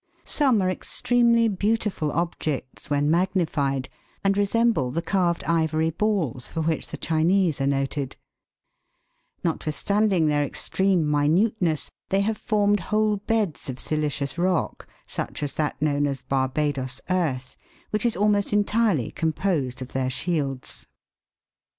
(Fig. 33.) Some are extremely beautiful objects when magnified, and resemble the carved ivory balls for which the Chinese are noted. Notwithstanding their 33. SKELETON OF RADIOLARIAN. 154 THE WORLD'S LUMBER ROOM. extreme minuteness, they have formed whole beds of silicious rock, such as that known as " Barbadoes earth," which is almost entirely composed of their shields.